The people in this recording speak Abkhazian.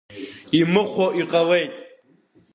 Имыхәо иҟалеит.